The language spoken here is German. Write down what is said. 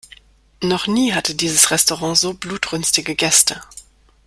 Noch nie hatte dieses Restaurant so blutrünstige Gäste.